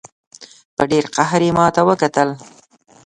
په ډېر قهر یې ماته وکتل.